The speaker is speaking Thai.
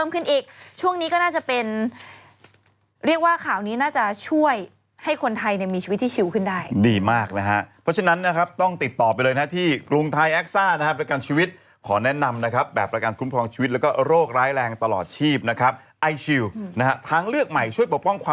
คือชาวบ้านในพื้นที่เนี่ยเปิดเผยกับผู้สื่อข่าวว่า